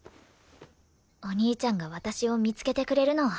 お兄ちゃんが私を見つけてくれるのを。